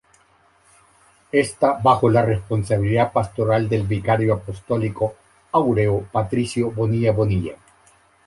Esta bajo la responsabilidad pastoral del vicario apostólico Áureo Patricio Bonilla Bonilla.